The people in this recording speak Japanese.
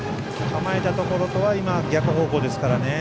構えたところとは逆方向でしたからね。